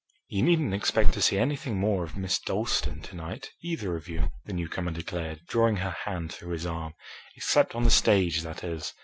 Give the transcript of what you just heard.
"You needn't expect to see anything more of Miss Dalstan to night, either of you," the newcomer declared, drawing her hand through his arm, "except on the stage, that is.